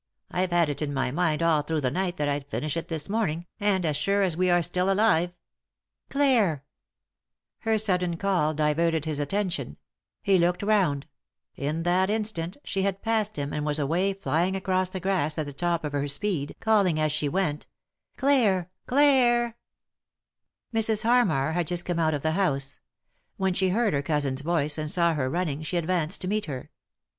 I've had it in my mind all through the night that I'd finish it this morning, and, as sure as we are still alive "" Clare I " Her sudden call diverted his attention ; he looked round; in that instant she had passed him and was away flying across the grass at the top of her speed, calling as she went :« Clare I Clare I " Mrs. Harmar had just come out of the house. When she heard her cousin's voice, and saw her run ning, she advanced to meet her.